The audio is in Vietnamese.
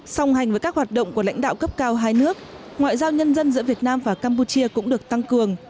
song hành với các hoạt động của lãnh đạo cấp cao hai nước ngoại giao nhân dân giữa việt nam và campuchia cũng được tăng cường